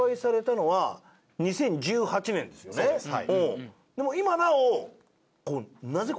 そうですはい。